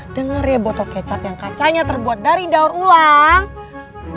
dengarnya botol kecap yang kacanya terbuat dari daur ulang